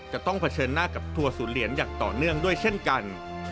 ต้องเผชิญหน้ากับทัวร์ศูนย์เหรียญอย่างต่อเนื่องด้วยเช่นกัน